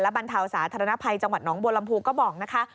และบรรเทาสาธารณภัยจังหวัดน้องบวรรมภูกษ์ก็บอกนะคะ